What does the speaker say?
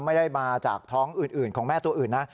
ไม่ได้มาจากท้องอื่นของแม่ตัวอื่นนะ